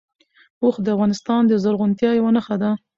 اوښ د افغانستان د زرغونتیا یوه نښه ده.